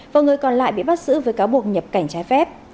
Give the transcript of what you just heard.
và người còn lại bị bắt giữ với cáo buộc nhập cảnh trái phép